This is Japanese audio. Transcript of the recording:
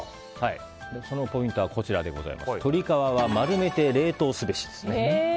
そのポイントは鶏皮は丸めて冷凍すべしです。